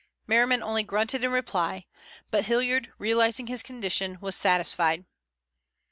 Merriman only grunted in reply, but Hilliard, realizing his condition, was satisfied.